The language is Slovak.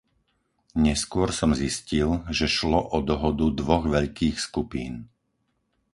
Neskôr som zistil, že šlo o dohodu dvoch veľkých skupín.